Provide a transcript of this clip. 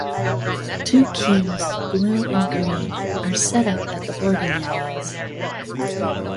Two queues, blue and green, are set up at the boarding areas.